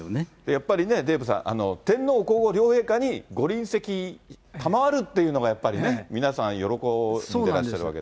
やっぱりね、デーブさん、天皇皇后両陛下にご臨席賜るっていうのがやっぱりね、皆さん喜んでいらっしゃるわけですから。